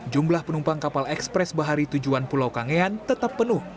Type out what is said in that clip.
jumlah penumpang kapal ekspres bahari tujuan pulau kangean tetap penuh